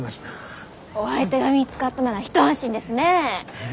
お相手が見つかったなら一安心ですね。